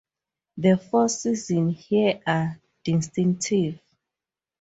The four seasons here are distinctive.